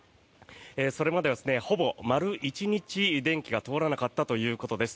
それまではほぼ丸１日、電気が通らなかったということです。